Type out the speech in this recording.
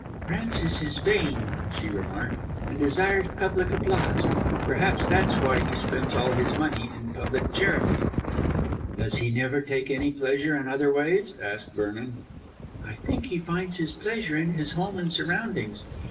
"Francis is vain," she remarked, "and desires public applause. Perhaps that is why he spends all his money in public charity." "Does he never take any pleasure in other ways?" asked Vernon. "I think he finds his pleasure in his home and surroundings.